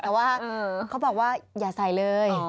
แต่ว่าเขาบอกว่าอย่าใส่เลย